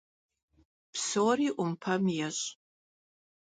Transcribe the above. Псори Ӏумпэм ещӏ.